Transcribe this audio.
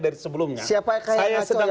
dari sebelumnya saya sedang